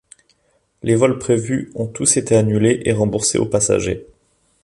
Les vols prévus ont tous été annulés et remboursés aux passagers.